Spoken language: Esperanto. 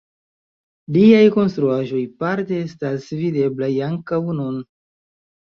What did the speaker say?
Liaj konstruaĵoj parte estas videblaj ankaŭ nun.